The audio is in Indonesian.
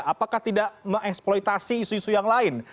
apakah tidak mengeksploitasi isu isu yang lain